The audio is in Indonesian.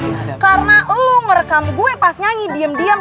karena lu ngerekam gue pas nyanyi diem diem